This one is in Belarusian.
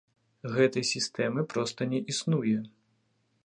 Гэтай сістэмы проста не існуе.